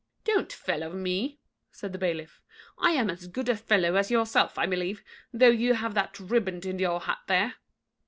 "Don't fellow me," said the bailiff; "I am as good a fellow as yourself, I believe, though you have that riband in your hat there."